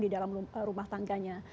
di dalam rumah tangganya